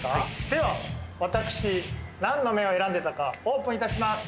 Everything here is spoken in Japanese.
では私何の目を選んでたかオープンいたします